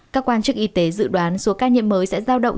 các quan chức y tế dự đoán số ca nhiễm mới sẽ giao động